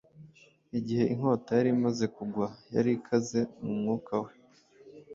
Igihe inkota yari imaze kugwa yari ikaze mu mwuka we